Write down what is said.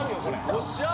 よっしゃ！